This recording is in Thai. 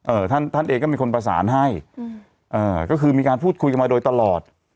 ท่านท่านเองก็มีคนประสานให้อืมเอ่อก็คือมีการพูดคุยกันมาโดยตลอด